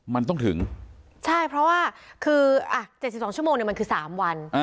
มันต้องถึงใช่เพราะว่าคือ๗๒ชั่วโมงเนี่ยมันคือ๓วัน